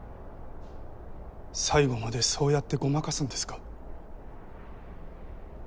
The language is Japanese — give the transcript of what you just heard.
最後までそうやってごまかすんですか。